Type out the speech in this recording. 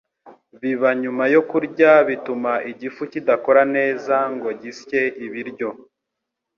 Biba nyuma yo kurya bituma igifu kidakora neza ngo gisye ibiryo.